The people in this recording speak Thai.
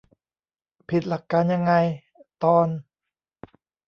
ผิดหลักการยังไง ? ตอน